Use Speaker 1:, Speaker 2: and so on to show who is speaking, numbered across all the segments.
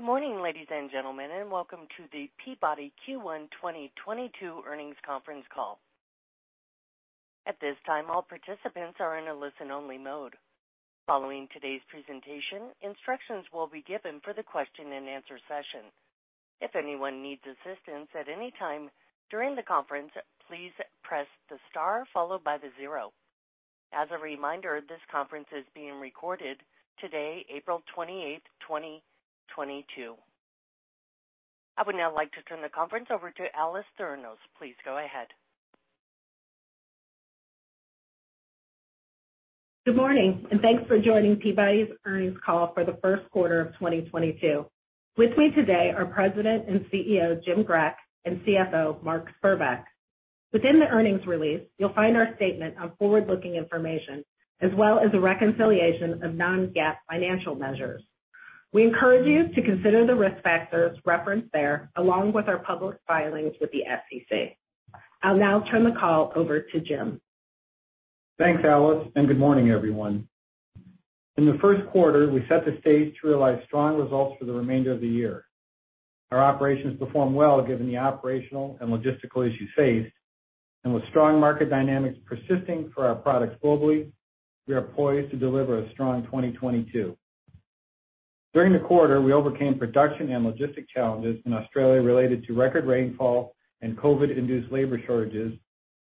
Speaker 1: Good morning, ladies and gentlemen, and welcome to the Peabody Q1 2022 earnings conference call. At this time, all participants are in a listen-only mode. Following today's presentation, instructions will be given for the question-and-answer session. If anyone needs assistance at any time during the conference, please press the star followed by the zero. As a reminder, this conference is being recorded today, April 28, 2022. I would now like to turn the conference over to Alice Tharenos. Please go ahead.
Speaker 2: Good morning, and thanks for joining Peabody's earnings call for the first quarter of 2022. With me today are President and CEO Jim Grech, and CFO Mark Spurbeck. Within the earnings release, you'll find our statement on forward-looking information as well as a reconciliation of non-GAAP financial measures. We encourage you to consider the risk factors referenced there, along with our public filings with the SEC. I'll now turn the call over to Jim.
Speaker 3: Thanks, Alice, and good morning, everyone. In the first quarter, we set the stage to realize strong results for the remainder of the year. Our operations performed well given the operational and logistical issues faced. With strong market dynamics persisting for our products globally, we are poised to deliver a strong 2022. During the quarter, we overcame production and logistic challenges in Australia related to record rainfall and COVID-induced labor shortages,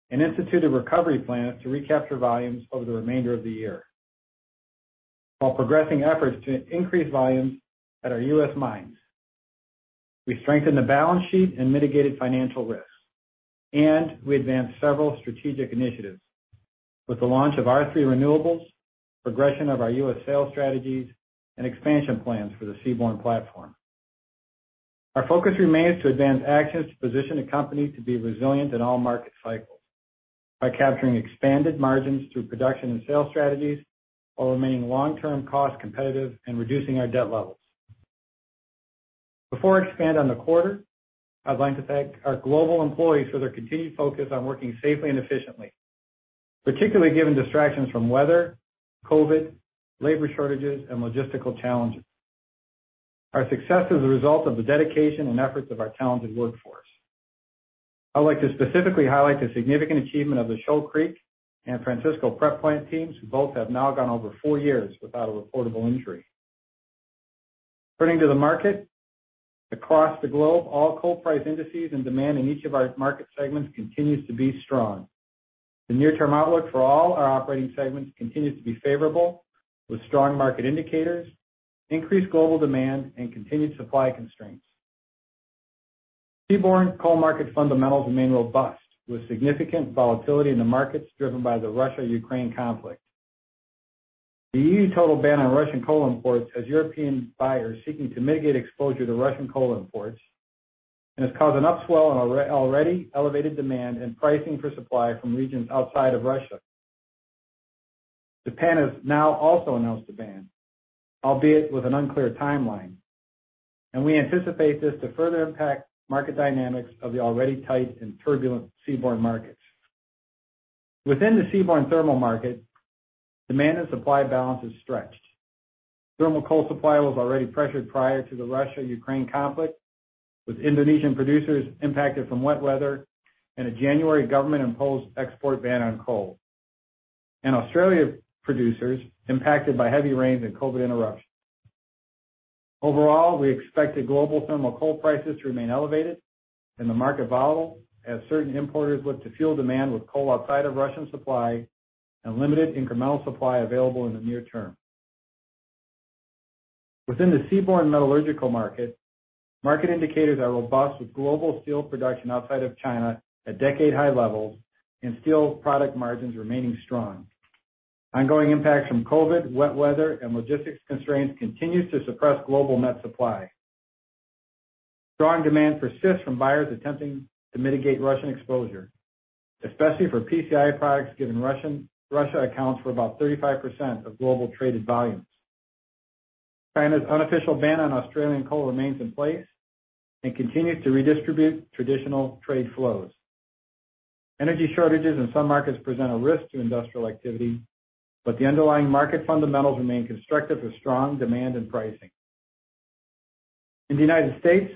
Speaker 3: and instituted recovery plans to recapture volumes over the remainder of the year, while progressing efforts to increase volumes at our U.S. mines. We strengthened the balance sheet and mitigated financial risks, and we advanced several strategic initiatives with the launch of R3 Renewables, progression of our U.S. sales strategies, and expansion plans for the seaborne platform. Our focus remains to advance actions to position the company to be resilient in all market cycles by capturing expanded margins through production and sales strategies while remaining long-term cost competitive and reducing our debt levels. Before I expand on the quarter, I'd like to thank our global employees for their continued focus on working safely and efficiently, particularly given distractions from weather, COVID, labor shortages, and logistical challenges. Our success is a result of the dedication and efforts of our talented workforce. I'd like to specifically highlight the significant achievement of the Shoal Creek and Francisco Prep Plant teams, who both have now gone over four years without a reportable injury. Turning to the market. Across the globe, all coal price indices and demand in each of our market segments continues to be strong. The near-term outlook for all our operating segments continues to be favorable with strong market indicators, increased global demand, and continued supply constraints. Seaborne coal market fundamentals remain robust, with significant volatility in the markets driven by the Russia-Ukraine conflict. The EU total ban on Russian coal imports has European buyers seeking to mitigate exposure to Russian coal imports and has caused an upswell in already elevated demand and pricing for supply from regions outside of Russia. Japan has now also announced a ban, albeit with an unclear timeline, and we anticipate this to further impact market dynamics of the already tight and turbulent seaborne markets. Within the seaborne thermal market, demand and supply balance is stretched. Thermal coal supply was already pressured prior to the Russia-Ukraine conflict, with Indonesian producers impacted from wet weather and a January government-imposed export ban on coal, and Australian producers impacted by heavy rains and COVID interruptions. Overall, we expect the global thermal coal prices to remain elevated and the market volatile as certain importers look to fuel demand with coal outside of Russian supply and limited incremental supply available in the near term. Within the seaborne metallurgical market indicators are robust, with global steel production outside of China at decade-high levels and steel product margins remaining strong. Ongoing impacts from COVID, wet weather, and logistics constraints continues to suppress global net supply. Strong demand persists from buyers attempting to mitigate Russian exposure, especially for PCI products, given Russia accounts for about 35% of global traded volumes. China's unofficial ban on Australian coal remains in place and continues to redistribute traditional trade flows. Energy shortages in some markets present a risk to industrial activity, but the underlying market fundamentals remain constructive with strong demand and pricing. In the United States,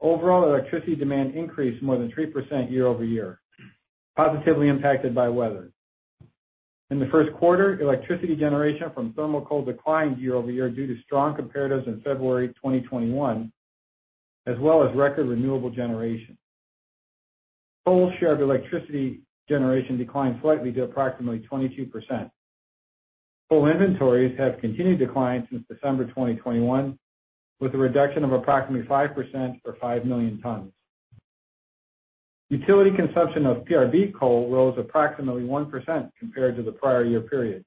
Speaker 3: overall electricity demand increased more than 3% year-over-year, positively impacted by weather. In the first quarter, electricity generation from thermal coal declined year-over-year due to strong comparatives in February 2021, as well as record renewable generation. Coal share of electricity generation declined slightly to approximately 22%. Coal inventories have continued to decline since December 2021, with a reduction of approximately 5% or 5 million tons. Utility consumption of PRB coal rose approximately 1% compared to the prior year period.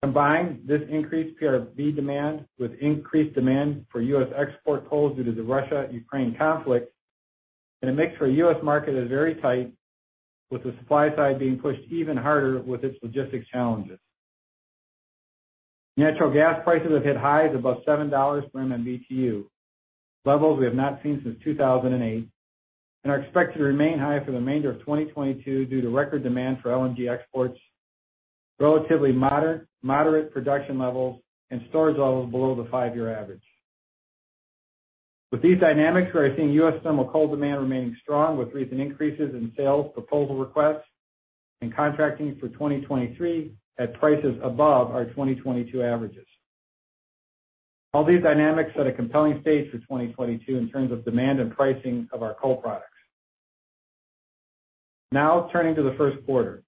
Speaker 3: Combined, this increased PRB demand with increased demand for US export coal due to the Russia-Ukraine conflict, and it makes for a US market that is very tight, with the supply side being pushed even harder with its logistics challenges. Natural gas prices have hit highs above $7 per MMBtu, levels we have not seen since 2008, and are expected to remain high for the remainder of 2022 due to record demand for LNG exports, relatively moderate production levels and storage levels below the five-year average. With these dynamics, we are seeing US thermal coal demand remaining strong with recent increases in sales proposal requests and contracting for 2023 at prices above our 2022 averages. All these dynamics set a compelling stage for 2022 in terms of demand and pricing of our coal products. Now turning to the first quarter.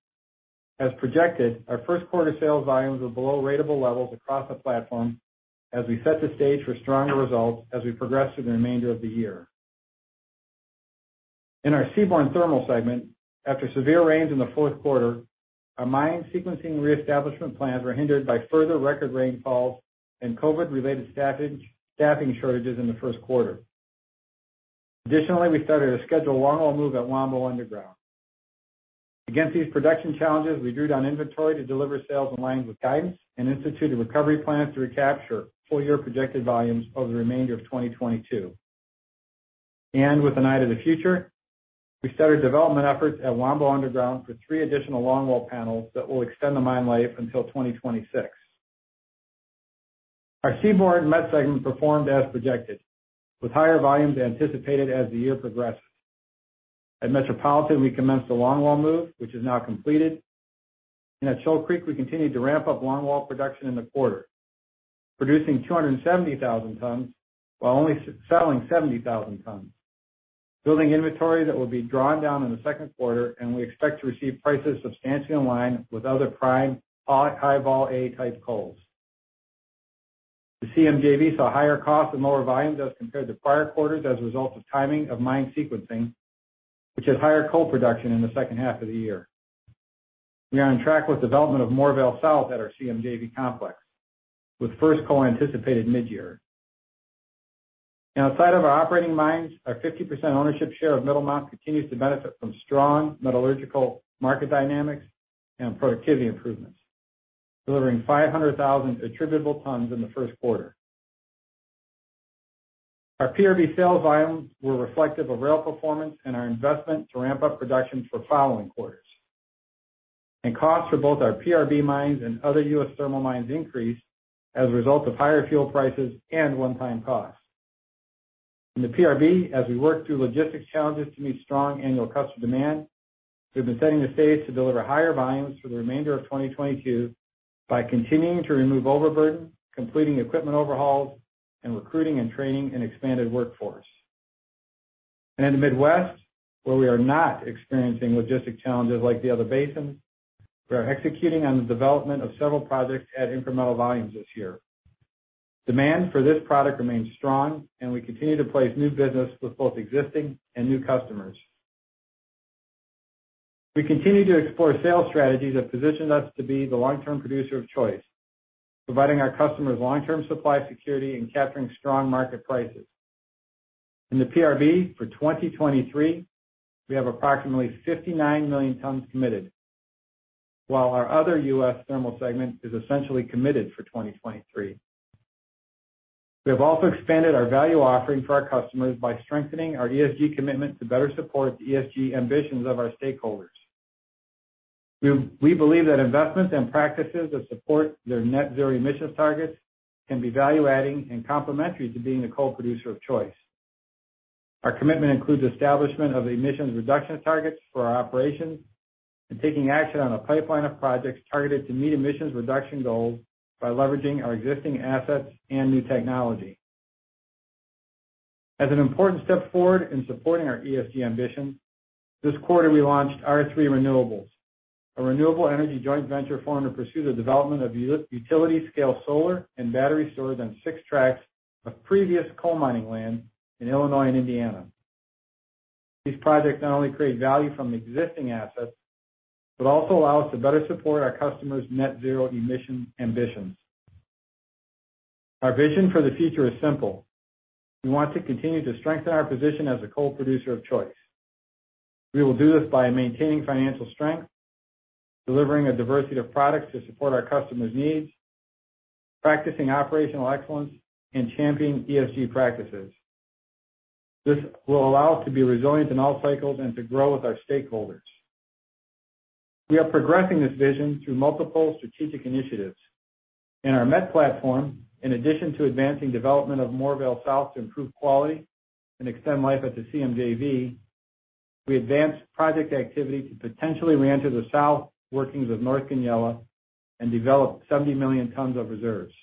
Speaker 3: As projected, our first quarter sales volumes were below ratable levels across the platform as we set the stage for stronger results as we progress through the remainder of the year. In our Seaborne Thermal segment, after severe rains in the fourth quarter, our mine sequencing reestablishment plans were hindered by further record rainfalls and COVID-related staffing shortages in the first quarter. Additionally, we started a scheduled longwall move at Wambo Underground. Against these production challenges, we drew down inventory to deliver sales in line with guidance and instituted recovery plans to recapture full-year projected volumes over the remainder of 2022. With an eye to the future, we started development efforts at Wambo Underground for three additional longwall panels that will extend the mine life until 2026. Our Seaborne Met segment performed as projected, with higher volumes anticipated as the year progresses. At Metropolitan, we commenced the longwall move, which is now completed. At Shoal Creek, we continued to ramp up longwall production in the quarter, producing 270,000 tons while only selling 70,000 tons, building inventory that will be drawn down in the second quarter, and we expect to receive prices substantially in line with other prime high vol A type coals. The CM JV saw higher costs and lower volumes as compared to prior quarters as a result of timing of mine sequencing, which has higher coal production in the second half of the year. We are on track with development of Moorvale South at our CM JV complex, with first coal anticipated mid-year. Now outside of our operating mines, our 50% ownership share of Middlemount continues to benefit from strong metallurgical market dynamics and productivity improvements, delivering 500,000 attributable tons in the first quarter. Our PRB sales volumes were reflective of rail performance and our investment to ramp up production for following quarters. Costs for both our PRB mines and other U.S. thermal mines increased as a result of higher fuel prices and one-time costs. In the PRB, as we work through logistics challenges to meet strong annual customer demand, we've been setting the stage to deliver higher volumes for the remainder of 2022 by continuing to remove overburden, completing equipment overhauls, and recruiting and training an expanded workforce. In the Midwest, where we are not experiencing logistic challenges like the other basins, we are executing on the development of several projects at incremental volumes this year. Demand for this product remains strong, and we continue to place new business with both existing and new customers. We continue to explore sales strategies that position us to be the long-term producer of choice, providing our customers long-term supply security and capturing strong market prices. In the PRB for 2023, we have approximately 59 million tons committed, while our other U.S. thermal segment is essentially committed for 2023. We have also expanded our value offering for our customers by strengthening our ESG commitment to better support the ESG ambitions of our stakeholders. We believe that investments and practices that support their net zero emissions targets can be value-adding and complementary to being the coal producer of choice. Our commitment includes establishment of emissions reduction targets for our operations and taking action on a pipeline of projects targeted to meet emissions reduction goals by leveraging our existing assets and new technology. As an important step forward in supporting our ESG ambition, this quarter, we launched R3 Renewables, a renewable energy joint venture formed to pursue the development of utility-scale solar and battery storage on six tracts of previous coal mining land in Illinois and Indiana. These projects not only create value from existing assets, but also allow us to better support our customers' net zero emissions ambitions. Our vision for the future is simple. We want to continue to strengthen our position as a coal producer of choice. We will do this by maintaining financial strength, delivering a diversity of products to support our customers' needs, practicing operational excellence, and championing ESG practices. This will allow us to be resilient in all cycles and to grow with our stakeholders. We are progressing this vision through multiple strategic initiatives. In our Met platform, in addition to advancing development of Moorvale South to improve quality and extend life at the CMJV, we advanced project activity to potentially reenter the south workings of North Goonyella and develop 70 million tons of reserves.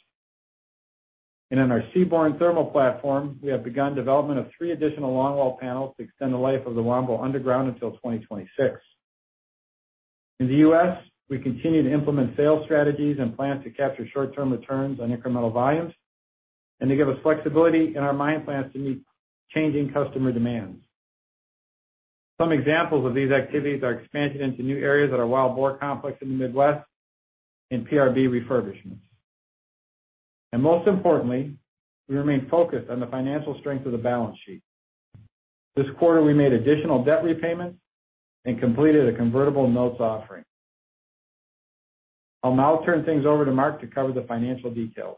Speaker 3: In our Seaborne Thermal platform, we have begun development of three additional longwall panels to extend the life of the Wambo Underground until 2026. In the U.S., we continue to implement sales strategies and plans to capture short-term returns on incremental volumes and to give us flexibility in our mine plans to meet changing customer demands. Some examples of these activities are expansion into new areas at our Wild Boar complex in the Midwest and PRB refurbishments. Most importantly, we remain focused on the financial strength of the balance sheet. This quarter, we made additional debt repayments and completed a convertible notes offering. I'll now turn things over to Mark to cover the financial details.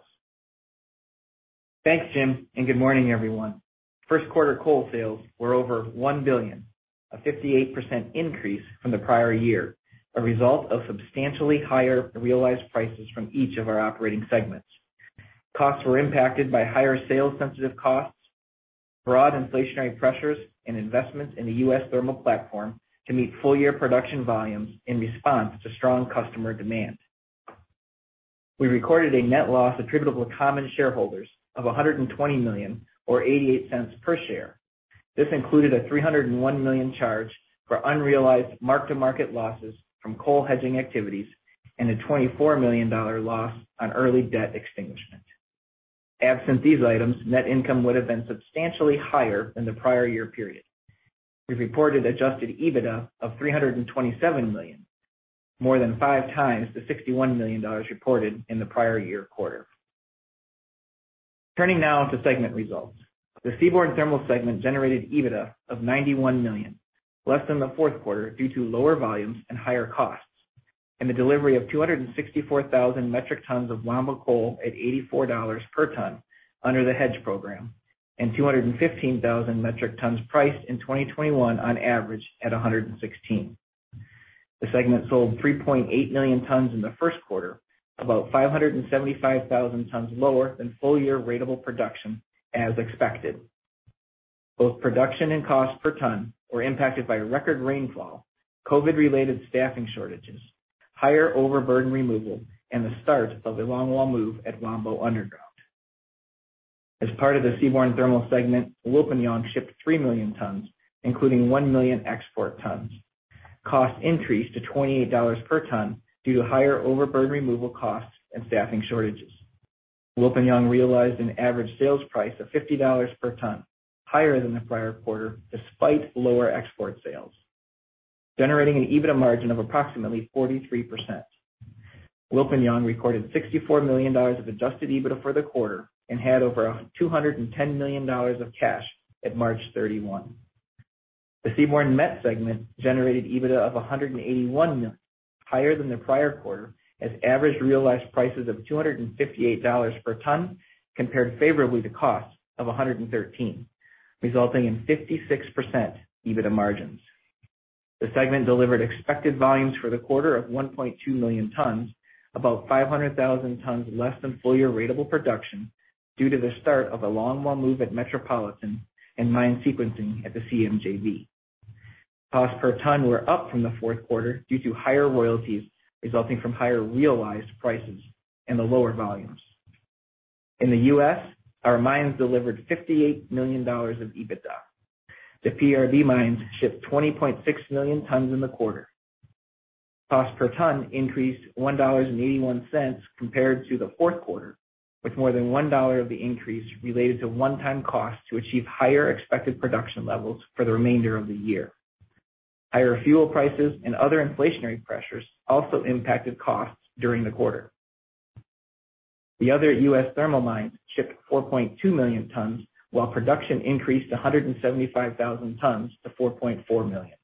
Speaker 4: Thanks, Jim, and good morning, everyone. First quarter coal sales were over $1 billion, a 58% increase from the prior year, a result of substantially higher realized prices from each of our operating segments. Costs were impacted by higher sales-sensitive costs, broad inflationary pressures and investments in the U.S. thermal platform to meet full-year production volumes in response to strong customer demand. We recorded a net loss attributable to common shareholders of $120 million or $0.88 per share. This included a $301 million charge for unrealized mark-to-market losses from coal hedging activities and a $24 million loss on early debt extinguishment. Absent these items, net income would have been substantially higher than the prior year period. We've reported adjusted EBITDA of $327 million, more than five times the $61 million reported in the prior year quarter. Turning now to segment results. The Seaborne Thermal segment generated $91 million of EBITDA, less than the fourth quarter due to lower volumes and higher costs, and the delivery of 264,000 metric tons of Wambo coal at $84 per ton under the hedge program, and 215,000 metric tons priced in 2021 on average at $116. The segment sold 3.8 million tons in the first quarter, about 575,000 tons lower than full-year ratable production as expected. Both production and cost per ton were impacted by record rainfall, COVID-related staffing shortages, higher overburden removal, and the start of a longwall move at Wambo Underground. As part of the Seaborne Thermal segment, Wilpinjong shipped 3 million tons, including 1 million export tons. Costs increased to $28 per ton due to higher overburden removal costs and staffing shortages. Wilpinjong realized an average sales price of $50 per ton, higher than the prior quarter, despite lower export sales, generating an EBITDA margin of approximately 43%. Wilpinjong recorded $64 million of adjusted EBITDA for the quarter and had over $210 million of cash at March 31. The Seaborne Met segment generated EBITDA of $181 million, higher than the prior quarter, as average realized prices of $258 per ton compared favorably to costs of $113, resulting in 56% EBITDA margins. The segment delivered expected volumes for the quarter of 1.2 million tons, about 500,000 tons less than full-year ratable production due to the start of a longwall move at Metropolitan and mine sequencing at the CMJV. Cost per ton were up from the fourth quarter due to higher royalties resulting from higher realized prices and the lower volumes. In the U.S., our mines delivered $58 million of EBITDA. The PRB mines shipped 20.6 million tons in the quarter. Cost per ton increased $1.81 compared to the fourth quarter, with more than one dollar of the increase related to one-time costs to achieve higher expected production levels for the remainder of the year. Higher fuel prices and other inflationary pressures also impacted costs during the quarter. The other U.S. thermal mines shipped 4.2 million tons while production increased 175,000 tons to 4.4 million.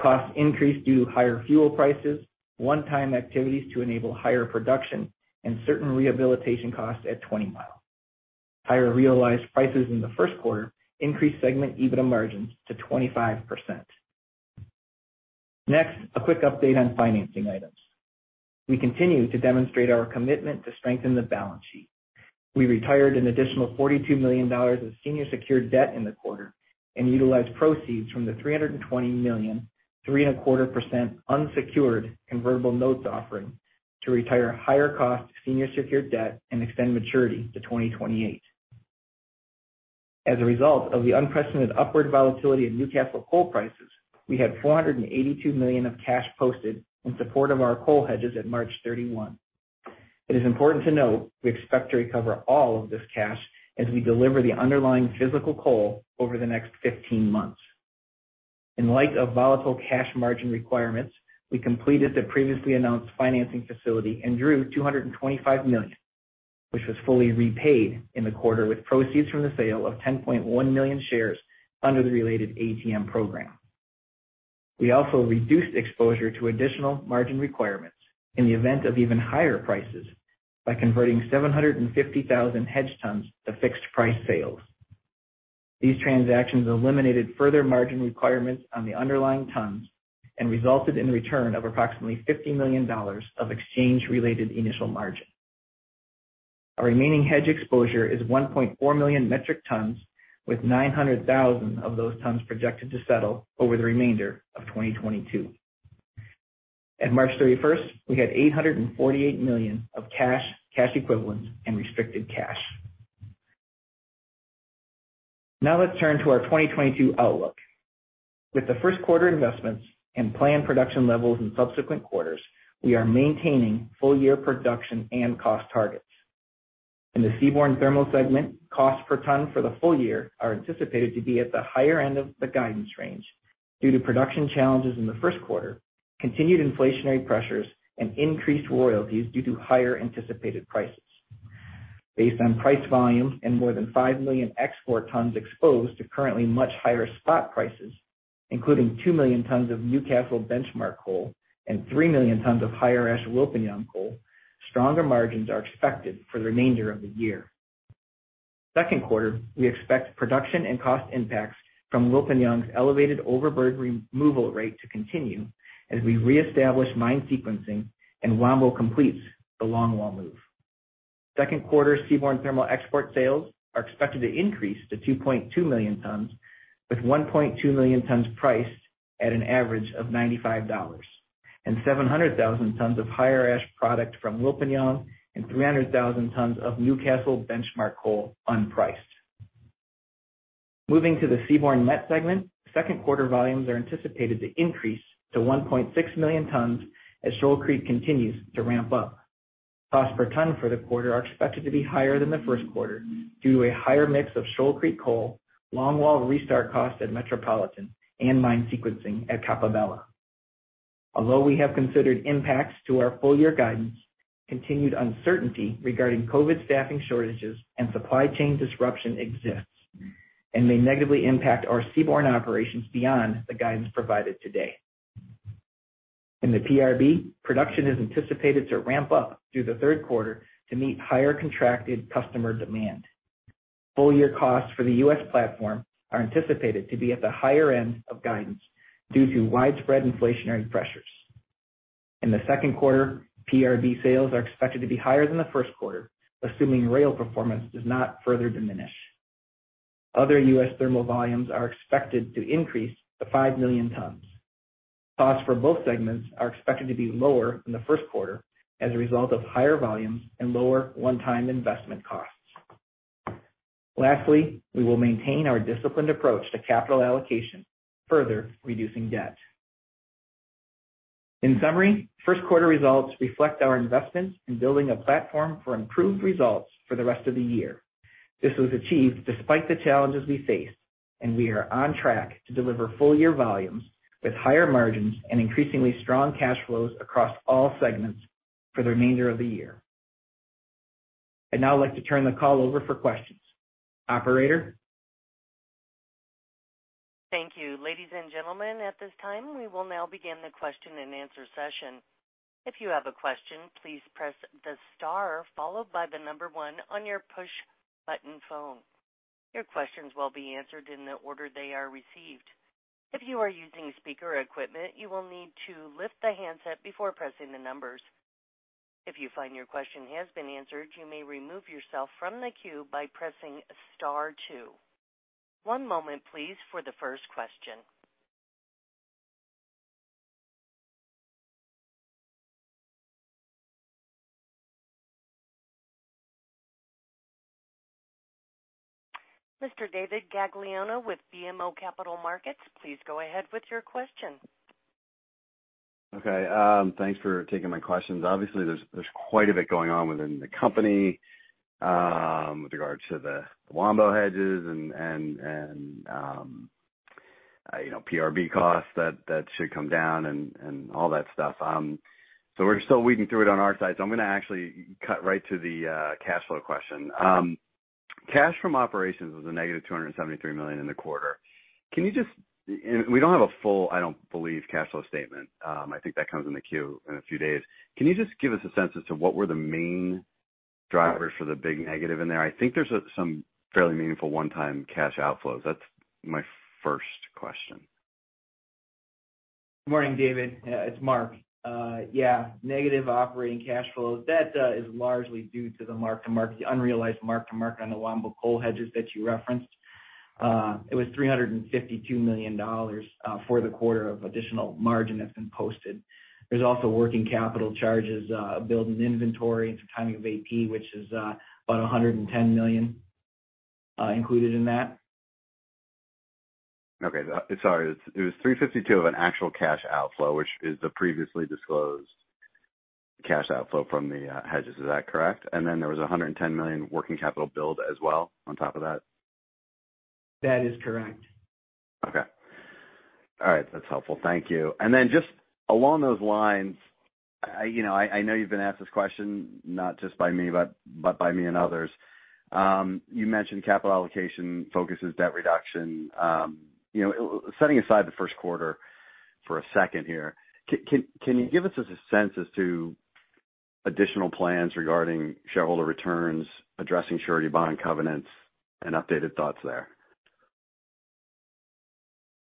Speaker 4: Costs increased due to higher fuel prices, one-time activities to enable higher production, and certain rehabilitation costs at Twenty Mile. Higher realized prices in the first quarter increased segment EBITDA margins to 25%. Next, a quick update on financing items. We continue to demonstrate our commitment to strengthen the balance sheet. We retired an additional $42 million of senior secured debt in the quarter and utilized proceeds from the $320 million, 3.25% unsecured convertible notes offering to retire higher cost senior secured debt and extend maturity to 2028. As a result of the unprecedented upward volatility of Newcastle coal prices, we had $482 million of cash posted in support of our coal hedges at March 31. It is important to note we expect to recover all of this cash as we deliver the underlying physical coal over the next 15 months. In light of volatile cash margin requirements, we completed the previously announced financing facility and drew $225 million, which was fully repaid in the quarter with proceeds from the sale of 10.1 million shares under the related ATM program. We also reduced exposure to additional margin requirements in the event of even higher prices by converting 750,000 hedge tons to fixed price sales. These transactions eliminated further margin requirements on the underlying tons and resulted in the return of approximately $50 million of exchange-related initial margin. Our remaining hedge exposure is 1.4 million metric tons, with 900,000 of those tons projected to settle over the remainder of 2022. At March 31st, we had $848 million of cash equivalents and restricted cash. Now let's turn to our 2022 outlook. With the first quarter investments and planned production levels in subsequent quarters, we are maintaining full-year production and cost targets. In the Seaborne Thermal segment, costs per ton for the full year are anticipated to be at the higher end of the guidance range due to production challenges in the first quarter, continued inflationary pressures and increased royalties due to higher anticipated prices. Based on price volume and more than 5 million export tons exposed to currently much higher spot prices, including 2 million tons of Newcastle benchmark coal and 3 million tons of higher ash Wilpinjong coal, stronger margins are expected for the remainder of the year. Second quarter, we expect production and cost impacts from Wilpinjong's elevated overburden removal rate to continue as we reestablish mine sequencing, and Wambo completes the longwall move. Second quarter, Seaborne Thermal export sales are expected to increase to 2.2 million tons, with 1.2 million tons priced at an average of $95 and 700,000 tons of higher ash product from Wilpinjong and 300,000 tons of Newcastle benchmark coal unpriced. Moving to the Seaborne Met segment, second quarter volumes are anticipated to increase to 1.6 million tons as Shoal Creek continues to ramp up. Costs per ton for the quarter are expected to be higher than the first quarter due to a higher mix of Shoal Creek coal, longwall restart costs at Metropolitan, and mine sequencing at Capella. Although we have considered impacts to our full-year guidance, continued uncertainty regarding COVID staffing shortages and supply chain disruption exists and may negatively impact our Seaborne operations beyond the guidance provided today. In the PRB, production is anticipated to ramp up through the third quarter to meet higher contracted customer demand. Full-year costs for the U.S. platform are anticipated to be at the higher end of guidance due to widespread inflationary pressures. In the second quarter, PRB sales are expected to be higher than the first quarter, assuming rail performance does not further diminish. Other U.S. thermal volumes are expected to increase to 5 million tons. Costs for both segments are expected to be lower than the first quarter as a result of higher volumes and lower one-time investment costs. Lastly, we will maintain our disciplined approach to capital allocation, further reducing debt. In summary, first quarter results reflect our investments in building a platform for improved results for the rest of the year. This was achieved despite the challenges we face, and we are on track to deliver full-year volumes with higher margins and increasingly strong cash flows across all segments for the remainder of the year. I'd now like to turn the call over for questions. Operator?
Speaker 1: Thank you. Ladies and gentlemen, at this time, we will now begin the question-and-answer session. If you have a question, please press the star followed by the number one on your push button phone. Your questions will be answered in the order they are received. If you are using speaker equipment, you will need to lift the handset before pressing the numbers. If you find your question has been answered, you may remove yourself from the queue by pressing star two. One moment please for the first question. Mr. David Gagliano with BMO Capital Markets, please go ahead with your question.
Speaker 5: Okay, thanks for taking my questions. Obviously, there's quite a bit going on within the company, with regards to the Wambo hedges and you know, PRB costs that should come down and all that stuff. We're still weeding through it on our side. I'm gonna actually cut right to the cash flow question. Cash from operations was negative $273 million in the quarter. We don't have a full cash flow statement, I don't believe. I think that comes in the Q in a few days. Can you just give us a sense as to what were the main drivers for the big negative in there? I think there's some fairly meaningful one-time cash outflows. That's my first question.
Speaker 4: Good morning, David. It's Mark. Yeah, negative operating cash flows. That is largely due to the mark-to-market, the unrealized mark-to-market on the Wambo coal hedges that you referenced. It was $352 million for the quarter of additional margin that's been posted. There's also working capital charges, building inventory and some timing of AP, which is about $110 million included in that.
Speaker 5: Okay. Sorry. It was $352 million of an actual cash outflow, which is the previously disclosed cash outflow from the hedges. Is that correct? There was $110 million working capital build as well on top of that?
Speaker 4: That is correct.
Speaker 5: Okay. All right. That's helpful. Thank you. Just along those lines, I know you've been asked this question not just by me, but by me and others. You mentioned capital allocation focuses debt reduction. Setting aside the first quarter for a second here, can you give us a sense as to additional plans regarding shareholder returns, addressing surety bond covenants, and updated thoughts there?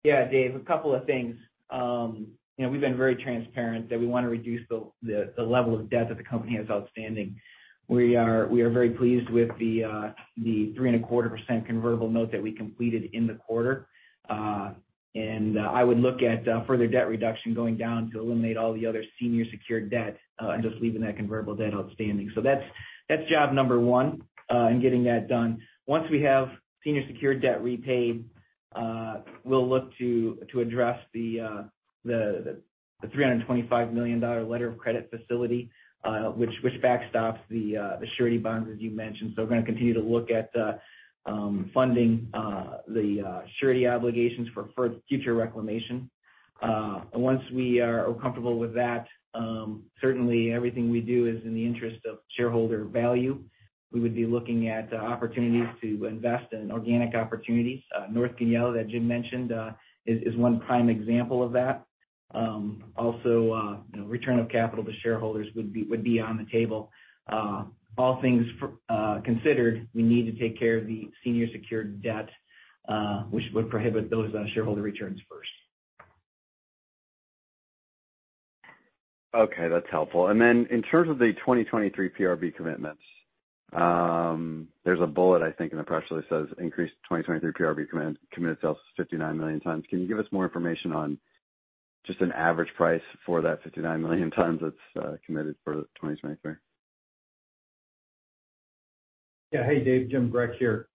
Speaker 4: Yeah, Dave, a couple of things. You know, we've been very transparent that we want to reduce the level of debt that the company has outstanding. We are very pleased with the 3.25% convertible note that we completed in the quarter. I would look at further debt reduction going down to eliminate all the other senior secured debt and just leaving that convertible debt outstanding. That's job number one in getting that done. Once we have senior secured debt repaid, we'll look to address the $325 million letter of credit facility, which backstops the surety bonds, as you mentioned. We're gonna continue to look at funding the surety obligations for future reclamation. Once we are comfortable with that, certainly everything we do is in the interest of shareholder value. We would be looking at opportunities to invest in organic opportunities. North Goonyella that Jim mentioned is one prime example of that. Also, you know, return of capital to shareholders would be on the table. All things considered, we need to take care of the senior secured debt, which would prohibit those shareholder returns first.
Speaker 5: Okay, that's helpful. In terms of the 2023 PRB commitments, there's a bullet, I think, in the press release says increased 2023 PRB commitments of 59 million tons. Can you give us more information on just an average price for that 59 million tons that's committed for 2023?
Speaker 3: Yeah. Hey, Dave. Jim Grech here.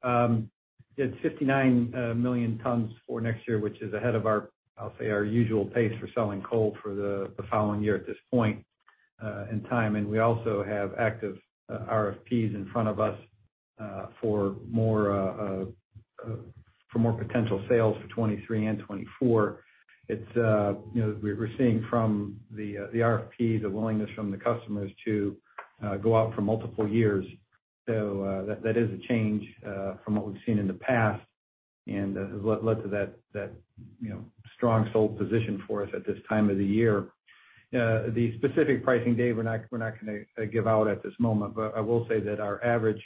Speaker 3: It's 59 million tons for next year, which is ahead of our, I'll say, our usual pace for selling coal for the following year at this point in time. We also have active RFPs in front of us for more potential sales for 2023 and 2024. It's, you know, we're seeing from the RFP, the willingness from the customers to go out for multiple years. That is a change from what we've seen in the past and has led to that, you know, strong sold position for us at this time of the year. The specific pricing, Dave, we're not gonna give out at this moment, but I will say that our average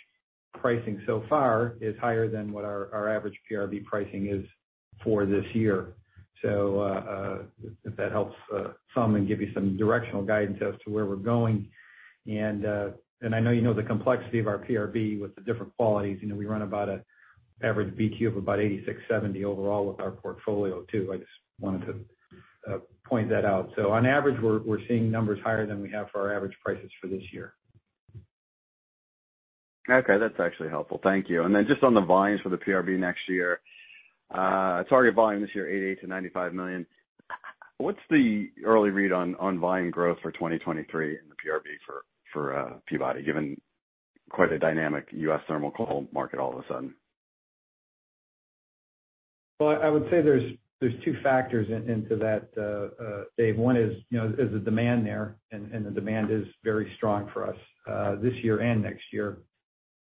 Speaker 3: pricing so far is higher than what our average PRB pricing is for this year. If that helps some and give you some directional guidance as to where we're going. I know you know the complexity of our PRB with the different qualities. You know, we run about a average BTU of about 8,670 overall with our portfolio too. I just wanted to point that out. On average, we're seeing numbers higher than we have for our average prices for this year.
Speaker 5: Okay. That's actually helpful. Thank you. Just on the volumes for the PRB next year, target volume this year, 88-95 million. What's the early read on volume growth for 2023 in the PRB for Peabody, given quite a dynamic U.S. thermal coal market all of a sudden?
Speaker 3: Well, I would say there's two factors into that, David. One is, you know, there's a demand there, and the demand is very strong for us, this year and next year.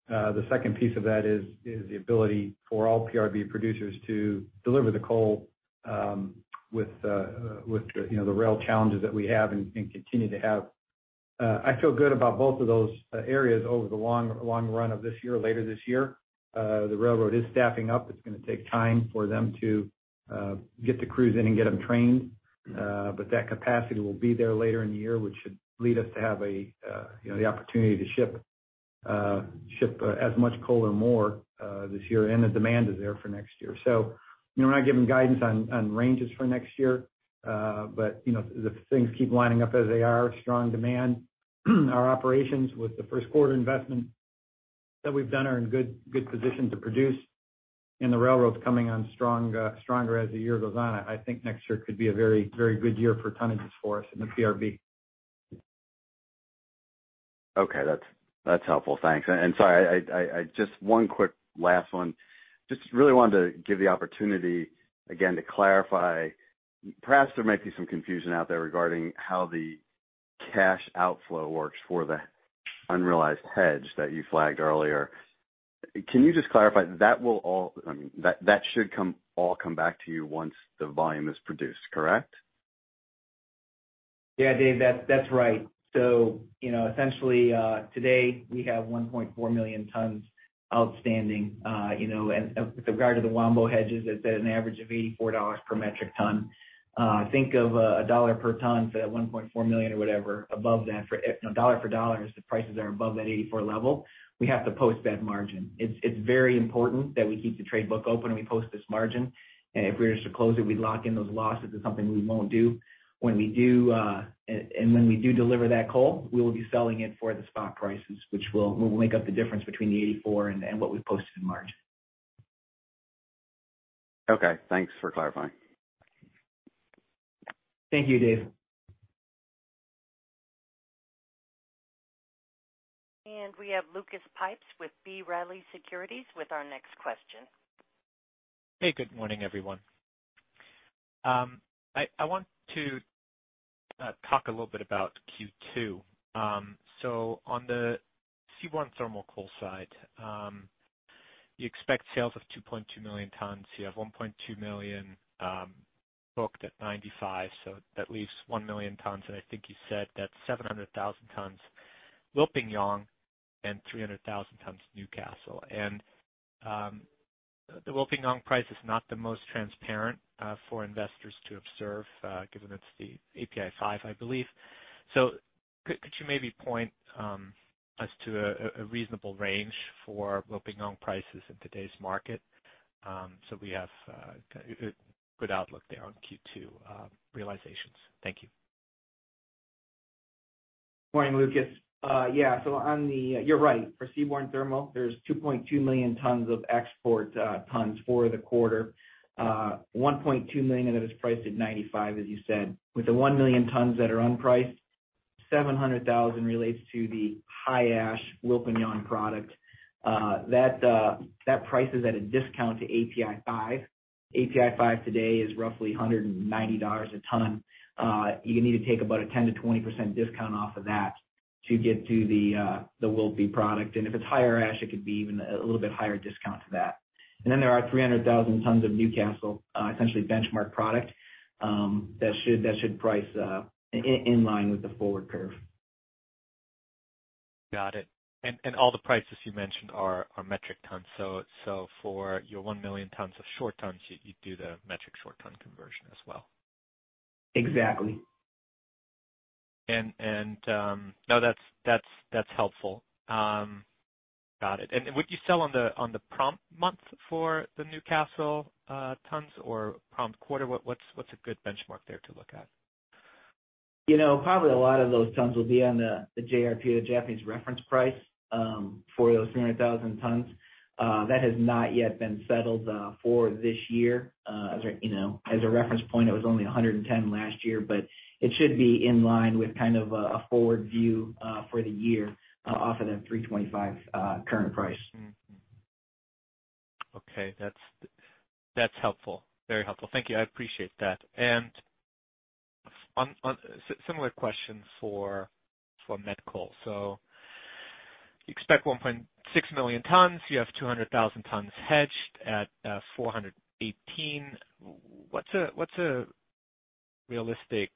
Speaker 3: The second piece of that is the ability for all PRB producers to deliver the coal with, you know, the rail challenges that we have and continue to have. I feel good about both of those areas over the long run of this year or later this year. The railroad is staffing up. It's gonna take time for them to get the crews in and get them trained. that capacity will be there later in the year, which should lead us to have a, you know, the opportunity to ship as much coal or more this year. The demand is there for next year. You know, we're not giving guidance on ranges for next year. You know, if things keep lining up as they are, strong demand, our operations with the first quarter investment that we've done are in good position to produce and the railroads coming on strong, stronger as the year goes on. I think next year could be a very good year for tonnages for us in the PRB.
Speaker 5: Okay. That's helpful. Thanks. Sorry, I just one quick last one. Just really wanted to give the opportunity again to clarify. Perhaps there might be some confusion out there regarding how the cash outflow works for the unrealized hedge that you flagged earlier. Can you just clarify? I mean, that should all come back to you once the volume is produced, correct?
Speaker 4: Yeah. Dave, that's right. So, you know, essentially, today we have 1.4 million tons outstanding. You know, and with regard to the Wambo hedges, it's at an average of $84 per metric ton. Think of $1 per ton for that 1.4 million or whatever above that for, you know, dollar for dollar, as the prices are above that $84 level, we have to post that margin. It's very important that we keep the trade book open and we post this margin. If we were to close it, we'd lock in those losses. It's something we won't do. When we do deliver that coal, we will be selling it for the spot prices, which will make up the difference between the $84 and what we posted in March.
Speaker 5: Okay. Thanks for clarifying.
Speaker 4: Thank you, Dave.
Speaker 1: We have Lucas Pipes with B. Riley Securities with our next question.
Speaker 6: Hey, good morning, everyone. I want to talk a little bit about Q2. On the seaborne thermal coal side, you expect sales of 2.2 million tons. You have 1.2 million booked at $95, so that leaves 1 million tons. I think you said that's 700,000 tons Wilpinjong and 300,000 tons Newcastle. The Wilpinjong price is not the most transparent for investors to observe given it's the API 5, I believe. Could you maybe point us to a reasonable range for Wilpinjong prices in today's market so we have a good outlook there on Q2 realizations? Thank you.
Speaker 4: Morning, Lucas. Yeah. You're right. For Seaborne Thermal, there's 2.2 million tons of export tons for the quarter. One point two million of it is priced at 95, as you said. With the one million tons that are unpriced-700,000 relates to the high ash Wilpinjong product. That price is at a discount to API 5. API 5 today is roughly $190 a ton. You need to take about a 10%-20% discount off of that to get to the Wilpinjong product. If it's higher ash, it could be even a little bit higher discount to that. There are 300,000 tons of Newcastle, essentially benchmark product, that should price in line with the forward curve.
Speaker 6: Got it. All the prices you mentioned are metric tons. For your 1 million tons of short tons, you do the metric short ton conversion as well.
Speaker 4: Exactly.
Speaker 6: No, that's helpful. Got it. Would you sell on the prompt month for the Newcastle tons or prompt quarter? What's a good benchmark there to look at?
Speaker 4: You know, probably a lot of those tons will be on the JRP, the Japanese reference price, for those 300,000 tons. That has not yet been settled for this year. You know, as a reference point, it was only $110 last year, but it should be in line with kind of a forward view for the year off of the $325 current price.
Speaker 6: Okay. That's helpful. Very helpful. Thank you. I appreciate that. Similar question for met coal. So you expect 1.6 million tons. You have 200,000 tons hedged at $418. What's a realistic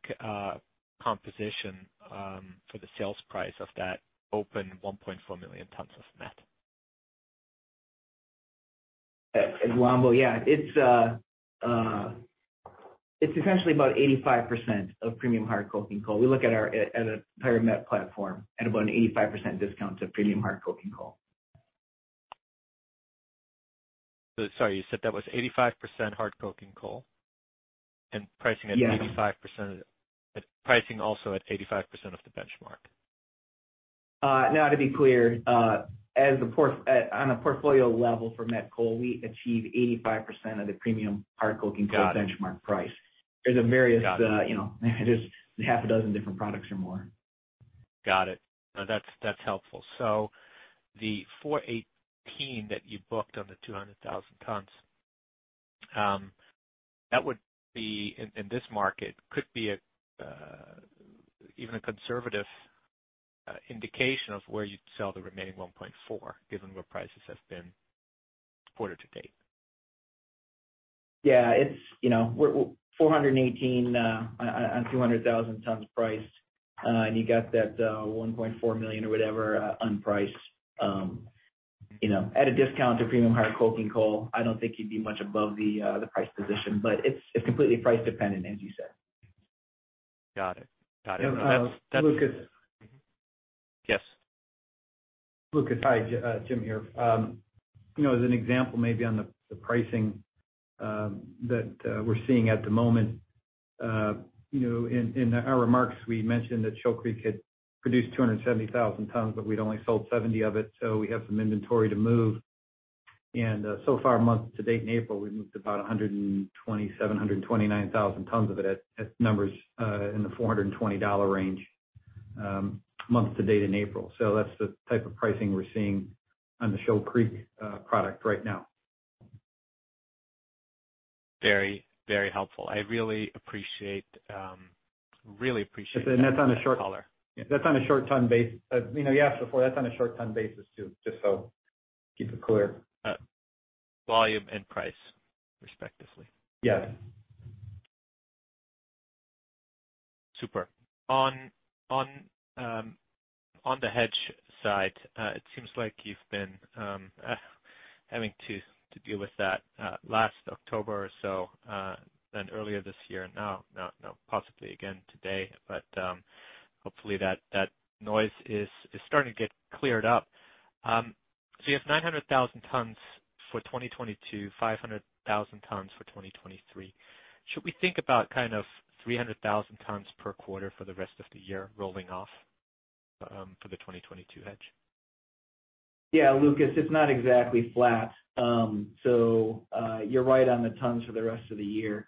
Speaker 6: composition for the sales price of that open 1.4 million tons of met?
Speaker 4: At Wambo? Yeah. It's essentially about 85% of premium hard coking coal. We look at our entire met platform at about an 85% discount to premium hard coking coal.
Speaker 6: Sorry, you said that was 85% hard coking coal and pricing at-
Speaker 4: Yes.
Speaker 6: Pricing also at 85% of the benchmark.
Speaker 4: No. To be clear, on a portfolio level for met coal, we achieve 85% of the premium hard coking coal.
Speaker 6: Got it.
Speaker 4: benchmark price. There's a various
Speaker 6: Got it.
Speaker 4: you know, there's half a dozen different products or more.
Speaker 6: Got it. No, that's helpful. The 418 that you booked on the 200,000 tons, that would be in this market, could be an even a conservative indication of where you'd sell the remaining 1.4, given where prices have been quarter to date.
Speaker 4: It's, you know, we're $418 on 200,000 tons price. You got that 1.4 million or whatever unpriced, you know, at a discount to premium hard coking coal. I don't think you'd be much above the price position, but it's completely price dependent, as you said.
Speaker 6: Got it. That's
Speaker 3: Lucas?
Speaker 6: Yes.
Speaker 3: Lucas. Hi, Jim here. You know, as an example, maybe on the pricing that we're seeing at the moment, you know, in our remarks, we mentioned that Shoal Creek had produced 270,000 tons, but we'd only sold 70 of it, so we have some inventory to move. So far, month to date in April, we moved about 127,729 tons of it at numbers in the $420 range, month to date in April. That's the type of pricing we're seeing on the Shoal Creek product right now.
Speaker 6: Very, very helpful. I really appreciate.
Speaker 4: That's on a short.
Speaker 6: -color.
Speaker 4: You know, you asked before. That's on a short ton basis too, just so keep it clear.
Speaker 6: Volume and price respectively.
Speaker 4: Yes.
Speaker 6: Super. On the hedge side, it seems like you've been having to deal with that last October or so, then earlier this year. Now possibly again today, but hopefully that noise is starting to get cleared up. So you have 900,000 tons for 2022, 500,000 tons for 2023. Should we think about kind of 300,000 tons per quarter for the rest of the year rolling off for the 2022 hedge?
Speaker 4: Yeah. Lucas, it's not exactly flat. You're right on the tons for the rest of the year.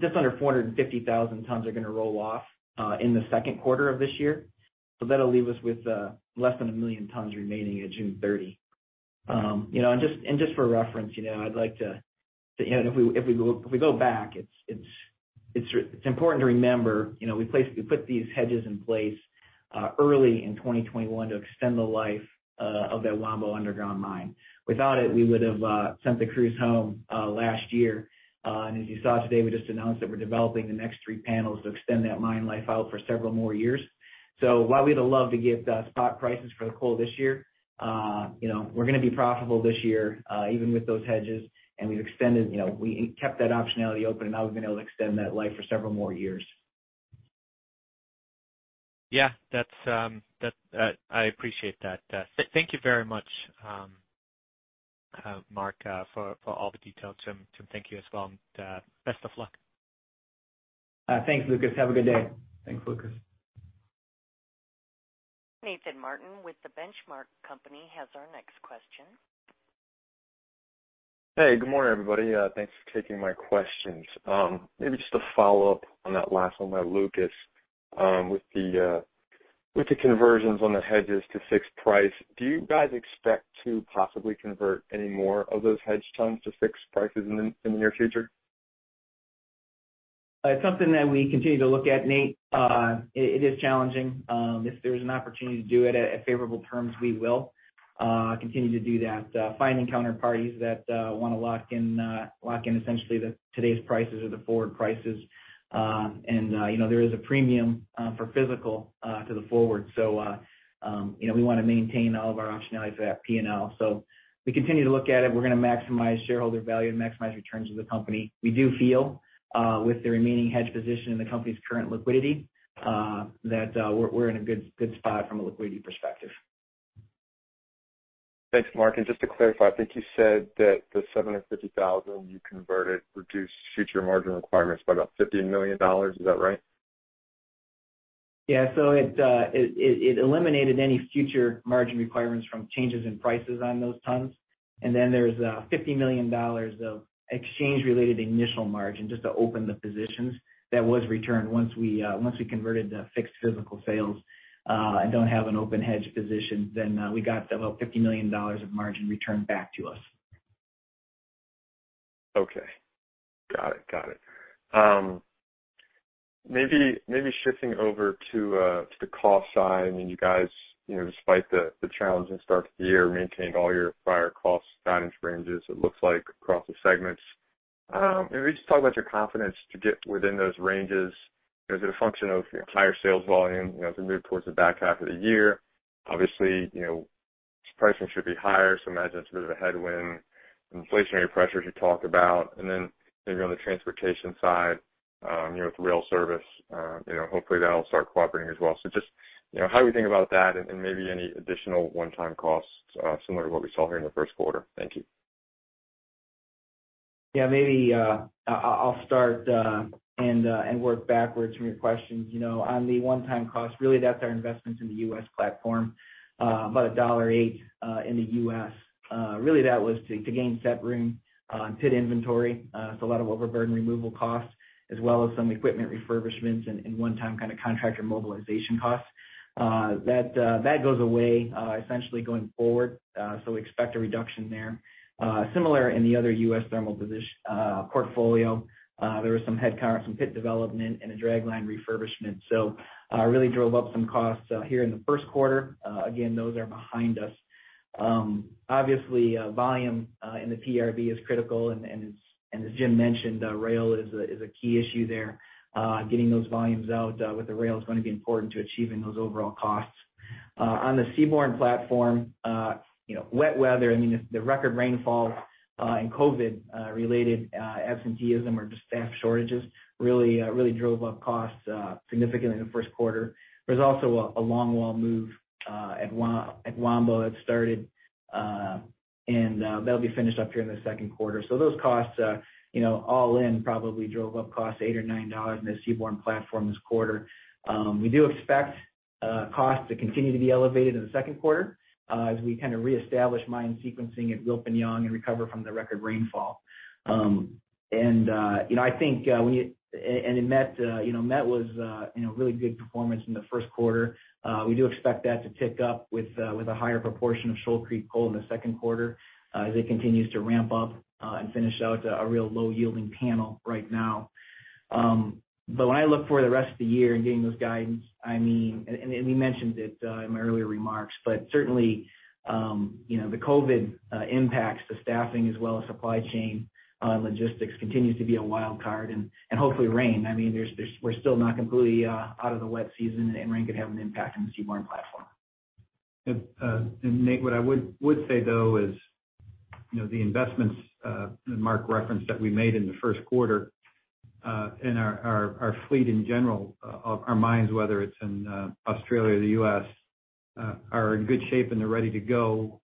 Speaker 4: Just under 450,000 tons are gonna roll off in the second quarter of this year. So that'll leave us with less than 1 million tons remaining at June 30. You know, and just for reference, you know, I'd like to, you know, if we go back, it's important to remember, you know, we put these hedges in place early in 2021 to extend the life of that Wambo underground mine. Without it, we would've sent the crews home last year. As you saw today, we just announced that we're developing the next three panels to extend that mine life out for several more years. While we'd have loved to get spot prices for the coal this year, you know, we're gonna be profitable this year, even with those hedges. We've extended, you know, we kept that optionality open, and now we've been able to extend that life for several more years.
Speaker 6: Yeah. That's that. I appreciate that. Thank you very much, Mark, for all the details. Jim, thank you as well, and best of luck.
Speaker 4: Thanks, Lucas. Have a good day.
Speaker 3: Thanks, Lucas. Nathan Martin with The Benchmark Company has our next question.
Speaker 7: Hey, good morning, everybody. Thanks for taking my questions. Maybe just a follow-up on that last one by Lucas, with the conversions on the hedges to fixed price. Do you guys expect to possibly convert any more of those hedge tons to fixed prices in the near future?
Speaker 4: It's something that we continue to look at, Nate. It is challenging. If there is an opportunity to do it at favorable terms, we will continue to do that. Finding counterparties that wanna lock in essentially today's prices or the forward prices. You know, there is a premium for physical to the forward. You know, we wanna maintain all of our optionality for that P&L. We continue to look at it. We're gonna maximize shareholder value and maximize returns to the company. We do feel with the remaining hedge position and the company's current liquidity that we're in a good spot from a liquidity perspective.
Speaker 7: Thanks, Mark. Just to clarify, I think you said that the 750,000 you converted reduced future margin requirements by about $50 million. Is that right?
Speaker 4: Yeah. It eliminated any future margin requirements from changes in prices on those tons. There's $50 million of exchange-related initial margin just to open the positions that was returned once we converted the fixed physical sales and don't have an open hedge position. Then we got about $50 million of margin returned back to us.
Speaker 7: Okay. Got it. Maybe shifting over to the cost side. I mean, you guys, you know, despite the challenging start to the year, maintained all your prior cost guidance ranges, it looks like, across the segments. Maybe just talk about your confidence to get within those ranges. Is it a function of higher sales volume, you know, as we move towards the back half of the year? Obviously, you know, pricing should be higher, so imagine it's a bit of a headwind. Inflationary pressures you talked about. Then maybe on the transportation side, you know, with rail service, you know, hopefully that'll start cooperating as well. Just, you know, how are we thinking about that and maybe any additional one-time costs, similar to what we saw here in the first quarter? Thank you.
Speaker 4: Yeah. Maybe I'll start and work backwards from your questions. You know, on the one-time cost, really that's our investments in the U.S. platform, about $1.08 in the U.S. Really that was to gain strip room, pit inventory. A lot of overburden removal costs as well as some equipment refurbishments and one-time kind of contractor mobilization costs. That goes away essentially going forward. We expect a reduction there. Similar in the other U.S. thermal portfolio. There was some head start, some pit development, and a dragline refurbishment. Really drove up some costs here in the first quarter. Again, those are behind us. Obviously, volume in the PRB is critical and as Jim mentioned, rail is a key issue there. Getting those volumes out with the rail is gonna be important to achieving those overall costs. On the seaborne platform, you know, wet weather, I mean, the record rainfall and COVID-related absenteeism or just staff shortages really drove up costs significantly in the first quarter. There's also a longwall move at Wambo that started, and that'll be finished up here in the second quarter. Those costs, you know, all in probably drove up costs $8 or $9 in the seaborne platform this quarter. We do expect costs to continue to be elevated in the second quarter as we kinda reestablish mine sequencing at Wilpinjong and recover from the record rainfall. You know, I think and in Met, you know, Met was, you know, really good performance in the first quarter. We do expect that to tick up with a higher proportion of Shoal Creek coal in the second quarter as it continues to ramp up and finish out a real low-yielding panel right now. When I look for the rest of the year in getting those guidance, I mean... We mentioned it in my earlier remarks, but certainly, you know, the COVID impacts to staffing as well as supply chain logistics continues to be a wild card and hopefully rain. I mean, we're still not completely out of the wet season and rain could have an impact on the seaborne platform.
Speaker 3: Nathan, what I would say though is, you know, the investments that Mark referenced that we made in the first quarter in our fleet in general, our mines, whether it's in Australia or the U.S., are in good shape and they're ready to go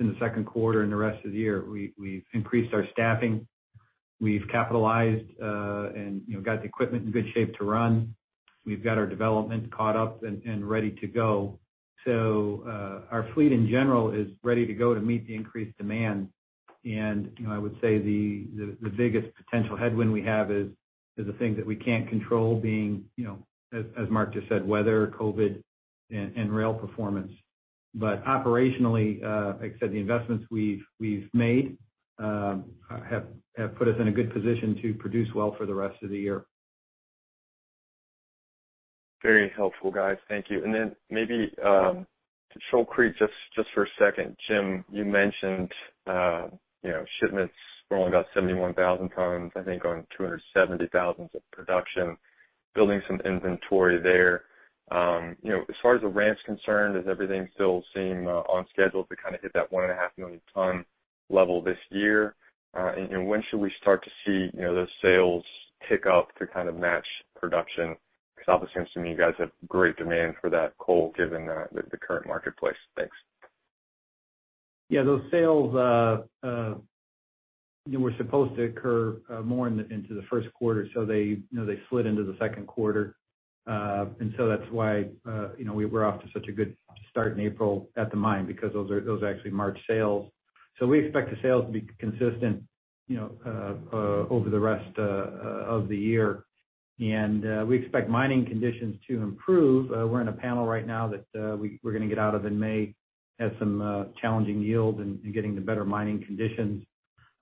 Speaker 3: in the second quarter and the rest of the year. We've increased our staffing. We've capitalized and, you know, got the equipment in good shape to run. We've got our development caught up and ready to go. Our fleet in general is ready to go to meet the increased demand. You know, I would say the biggest potential headwind we have is the things that we can't control, you know, as Mark just said, weather, COVID, and rail performance. Operationally, like I said, the investments we've made have put us in a good position to produce well for the rest of the year.
Speaker 7: Very helpful, guys. Thank you. Maybe to Shoal Creek, just for a second. Jim, you mentioned, you know, shipments were only about 71,000 tons, I think, on 270,000 tons of production, building some inventory there. You know, as far as the ramp's concerned, does everything still seem on schedule to kinda hit that 1.5 million ton level this year? You know, when should we start to see, you know, those sales tick up to kind of match production? 'Cause obviously it seems to me you guys have great demand for that coal given the current marketplace. Thanks.
Speaker 3: Yeah, those sales, they were supposed to occur more into the first quarter, so they, you know, they slid into the second quarter. That's why, you know, we were off to such a good start in April at the mine because those are actually March sales. We expect the sales to be consistent, you know, over the rest of the year. We expect mining conditions to improve. We're in a panel right now that we're gonna get out of in May, has some challenging yields and getting to better mining conditions.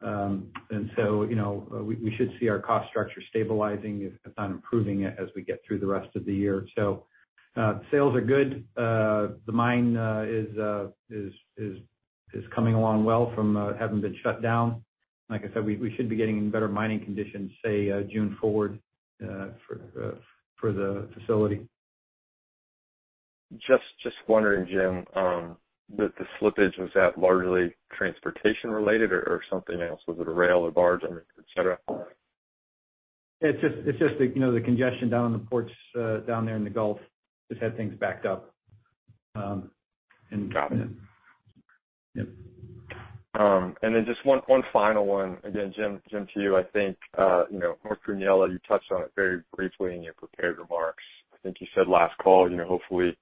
Speaker 3: You know, we should see our cost structure stabilizing, if not improving it as we get through the rest of the year. Sales are good. The mine is coming along well from having been shut down. Like I said, we should be getting better mining conditions, say, June forward, for the facility.
Speaker 7: Just wondering, Jim, with the slippage, was that largely transportation related or something else? Was it a rail or barge, I mean, et cetera?
Speaker 3: It's just the, you know, the congestion down in the ports down there in the Gulf just had things backed up, and
Speaker 7: Got it.
Speaker 3: Yeah.
Speaker 7: Then just one final one. Again, Jim to you. I think you know, North Goonyella, you touched on it very briefly in your prepared remarks. I think you said last call, you know, hopefully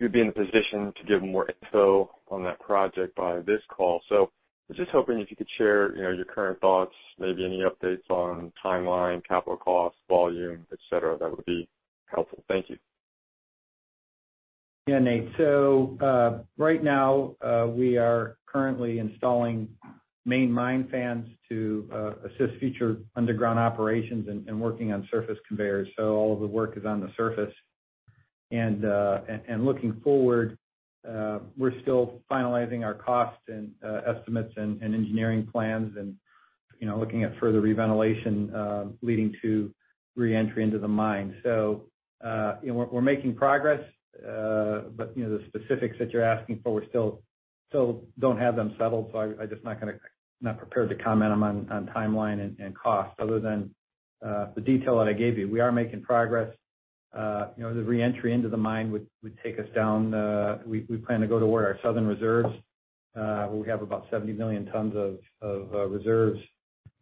Speaker 7: you'd be in a position to give more info on that project by this call. I was just hoping if you could share, you know, your current thoughts, maybe any updates on timeline, capital costs, volume, et cetera, that would be helpful. Thank you.
Speaker 3: Yeah, Nate. Right now, we are currently installing main mine fans to assist future underground operations and working on surface conveyors. All of the work is on the surface. Looking forward, we're still finalizing our costs and estimates and engineering plans and, you know, looking at further re-ventilation leading to re-entry into the mine. You know, we're making progress. You know, the specifics that you're asking for, we still don't have them settled, so I'm just not prepared to comment on timeline and cost other than the detail that I gave you. We are making progress. You know, the re-entry into the mine would take us down. We plan to go to where our southern reserves, where we have about 70 million tons of reserves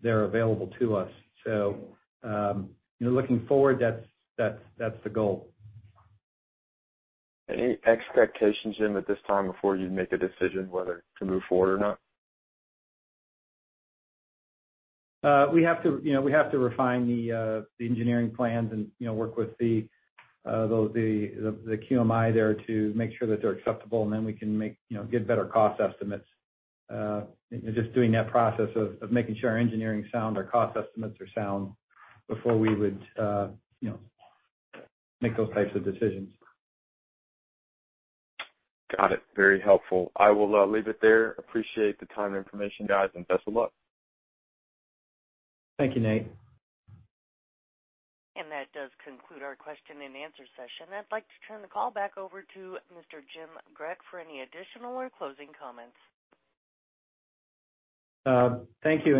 Speaker 3: there available to us. You know, looking forward, that's the goal.
Speaker 7: Any expectations, Jim, at this time before you make a decision whether to move forward or not?
Speaker 3: We have to, you know, we have to refine the engineering plans and, you know, work with the MSHA there to make sure that they're acceptable, and then we can get better cost estimates. Just doing that process of making sure our engineering's sound, our cost estimates are sound before we would, you know, make those types of decisions.
Speaker 7: Got it. Very helpful. I will leave it there. Appreciate the time and information, guys, and best of luck.
Speaker 3: Thank you, Nate.
Speaker 1: That does conclude our question and answer session. I'd like to turn the call back over to Mr. Jim Grech for any additional or closing comments.
Speaker 3: Thank you.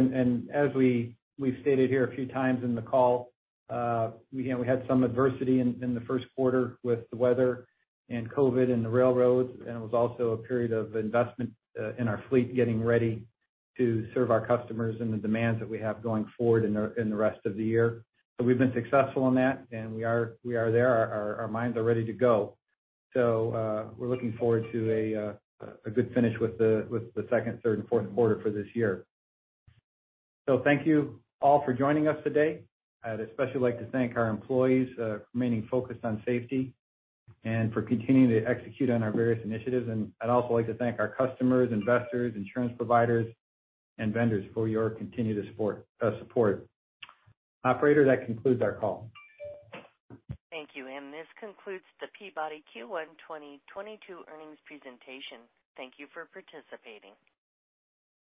Speaker 3: As we've stated here a few times in the call, you know, we had some adversity in the first quarter with the weather and COVID and the railroads, and it was also a period of investment in our fleet getting ready to serve our customers and the demands that we have going forward in the rest of the year. We've been successful in that, and we are there. Our mines are ready to go. We're looking forward to a good finish with the second, third, and fourth quarter for this year. Thank you all for joining us today. I'd especially like to thank our employees remaining focused on safety and for continuing to execute on our various initiatives. I'd also like to thank our customers, investors, insurance providers, and vendors for your continued support. Operator, that concludes our call.
Speaker 1: Thank you. This concludes the Peabody Q1 2022 earnings presentation. Thank you for participating.